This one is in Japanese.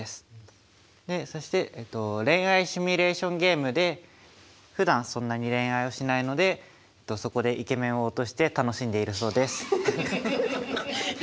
でそして恋愛シミュレーションゲームでふだんそんなに恋愛をしないのでそこでイケメンを落として楽しんでいるそうです。